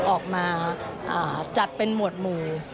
ออกมาจัดเป็นหมวดหมู่